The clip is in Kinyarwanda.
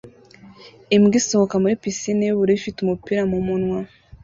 Imbwa isohoka muri pisine yubururu ifite umupira mumunwa